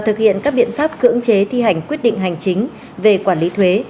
thực hiện các biện pháp cưỡng chế thi hành quyết định hành chính về quản lý thuế